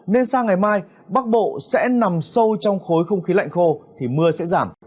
nên sang ngày mai bắc bộ sẽ nằm sâu trong khối không khí lạnh khô thì mưa sẽ giảm